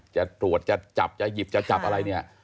จะตรวจจะจับจะหยิบจะจับอะไรเนี่ย